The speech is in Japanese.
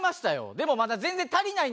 でもまだ全然足りないんですよ。